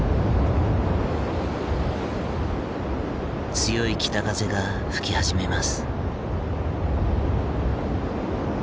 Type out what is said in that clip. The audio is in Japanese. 強い北風が吹き始めます。